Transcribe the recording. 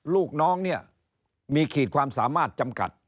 ลูกน้องเนี่ยมีขีดความสามารถจำกัด